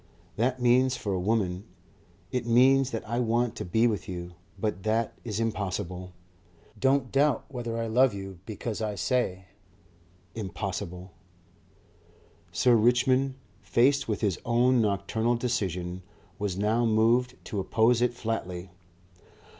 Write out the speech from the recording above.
That means for a woman It means that I want to be with you. But that is impossible.... Don't doubt whether I love you because I say impossible...." Sir Richmond, faced with his own nocturnal decision, was now moved to oppose it flatly.